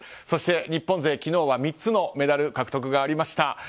そして、日本勢、昨日は３つのメダル獲得がありました。